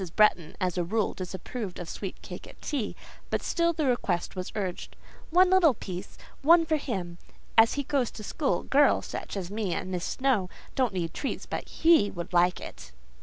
Bretton, as a rule, disapproved of sweet cake at tea, but still the request was urged,—"One little piece—only for him—as he goes to school: girls—such as me and Miss Snowe—don't need treats, but he would like it."